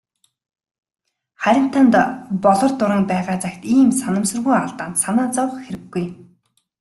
Харин танд "Болор дуран" байгаа цагт ийм санамсаргүй алдаанд санаа зовох хэрэггүй.